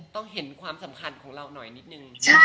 ต้องเห็นความสำคัญของเราหน่อยนิดนึง